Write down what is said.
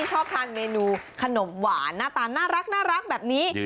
ชอบทานเมนูขนมหวานหน้าตาน่ารักแบบนี้